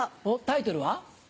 タイトルは？